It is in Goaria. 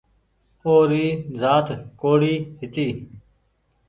او ري زآت ڪوڙي هيتي